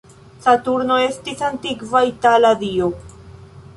Saturno estis antikva itala dio.